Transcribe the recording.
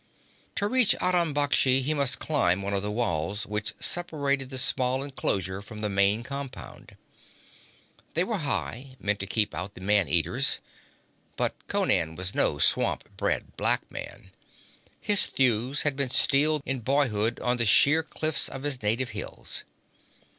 To reach Aram Baksh he must climb one of the walls which separated the small enclosure from the main compound. They were high, meant to keep out the man eaters; but Conan was no swamp bred black man; his thews had been steeled in boyhood on the sheer cliffs of his native hills.